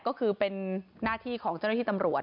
ก็คือเป็นหน้าที่ของเจ้าหน้าที่ตำรวจ